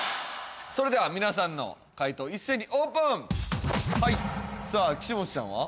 それでは皆さんの解答一斉にオープンさあ岸本ちゃんは？